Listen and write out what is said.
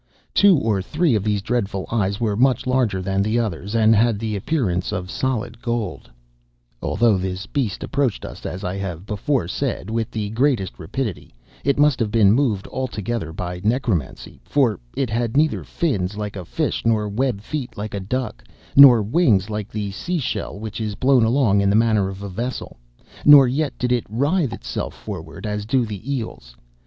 Two or three of these dreadful eyes were much larger than the others, and had the appearance of solid gold. "'Although this beast approached us, as I have before said, with the greatest rapidity, it must have been moved altogether by necromancy—for it had neither fins like a fish nor web feet like a duck, nor wings like the seashell which is blown along in the manner of a vessel; nor yet did it writhe itself forward as do the eels.